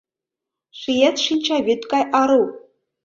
Шиет Шинчавӱд гай ару!